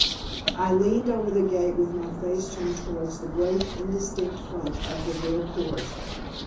I leaned over the gate with my face turned towards the great indistinct front of Deville Court.